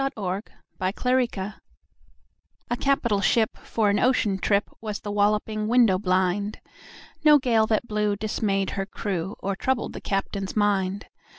Y Z A Nautical Ballad A CAPITAL ship for an ocean trip Was The Walloping Window blind No gale that blew dismayed her crew Or troubled the captain's mind.